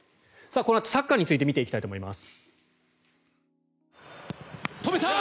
このあとサッカーについて見ていきたいと思います。